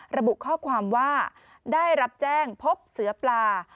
ระบุข้อความว่าได้รับแจ้งพบเสือปลา